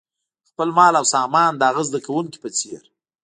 خپل مال او سامان د هغه زده کوونکي په څېر.